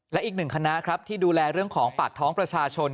และอีกหนึ่งคณะครับที่ดูแลเรื่องของปากท้องประชาชน